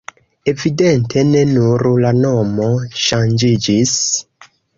Evidente ne nur la nomo ŝanĝiĝis.